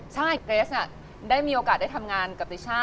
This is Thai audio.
ใช่เกรสได้มีโอกาสได้ทำงานกับติช่า